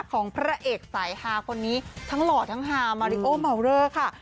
ของพระเอกสายฮาคนนี้ทั้งหล่อทั้งฮามาริโอเมาเลอร์ค่ะ